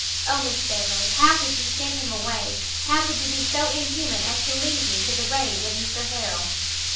Oh Miss Beverley, how could you send him away? how could you be so inhuman as to leave me to the rage of Mr Harrel?"